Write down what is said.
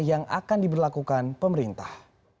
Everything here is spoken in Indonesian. yang akan diberlakukan pemerintah